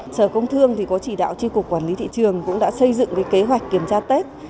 sở công thương có chỉ đạo tri cục quản lý thị trường cũng đã xây dựng kế hoạch kiểm tra tết